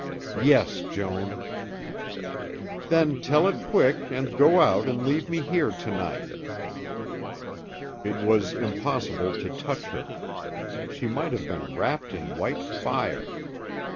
"Yes, Joan." "Then tell it quick and go out and leave me here to night." It was impossible to touch her. She might have been wrapped in white fire.